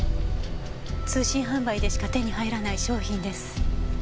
通信販売でしか手に入らない商品です。